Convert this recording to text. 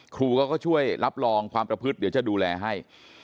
ครูก็ช่วยรับรองความประพฤติเดี๋ยวจะดูแลให้